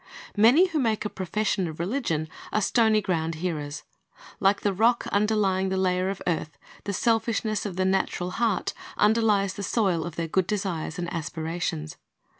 Many who make a profession of religion are stony ground hearers. Like the rock under lying the layer cf earth, the selfishness of the natural heart underlies the soil of their good desires and aspirations.